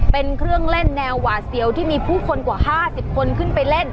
เป็นเครื่องเล่นแนวหวาดเสียวที่มีผู้คนกว่า๕๐คนขึ้นไปเล่น